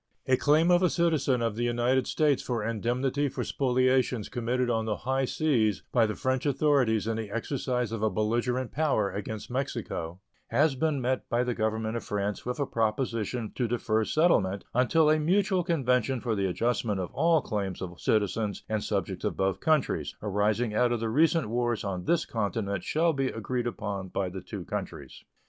A claim of a citizen of the United States for indemnity for spoliations committed on the high seas by the French authorities in the exercise of a belligerent power against Mexico has been met by the Government of France with a proposition to defer settlement until a mutual convention for the adjustment of all claims of citizens and subjects of both countries arising out of the recent wars on this continent shall be agreed upon by the two countries.